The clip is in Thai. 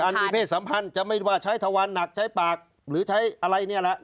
มีเพศสัมพันธ์จะไม่ว่าใช้ทวันหนักใช้ปากหรือใช้อะไรเนี่ยแหละ